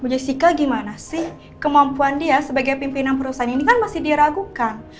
jessica gimana sih kemampuan dia sebagai pimpinan perusahaan ini kan masih diragukan